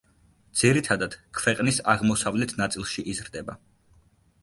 ძირითადად ქვეყნის აღმოსავლეთ ნაწილში იზრდება.